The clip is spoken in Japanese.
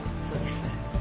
そうです。